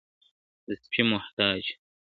د سپي محتاج ,